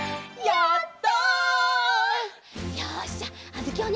やった！